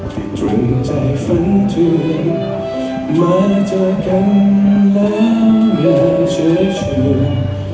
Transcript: พริกเป็นใจฝันตื่นมาเจอกันและอย่าเจอเชื่อ